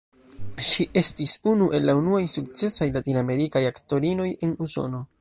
Ŝi estis unu el la unuaj sukcesaj latinamerikaj aktorinoj en Usono.